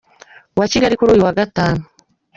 wa Kigali, kuri uyu wa Gatanu.